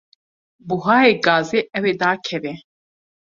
Buhayê gazê ew ê dakeve?